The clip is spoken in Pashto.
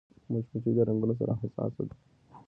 مچمچۍ د رنګونو سره حساسه ده